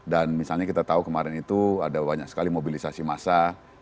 dan misalnya kita tahu kemarin itu ada banyak sekali mobilisasi massa